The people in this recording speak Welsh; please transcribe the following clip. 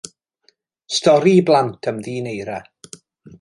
Stori i blant am ddyn eira.